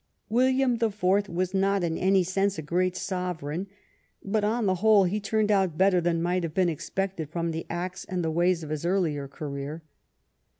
William IV. was not in any sense a great sovereign, but on the whole he turned out better than might have been ex pected from the acts and the ways of his earlier career.